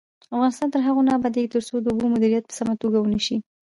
افغانستان تر هغو نه ابادیږي، ترڅو د اوبو مدیریت په سمه توګه ونشي.